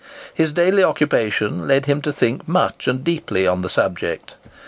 His daily occupation led him to think much and deeply on the subject.